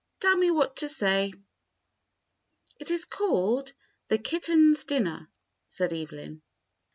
Tell me what to say." "It is called 'The Kitten's Dinner,' " said Evelyn.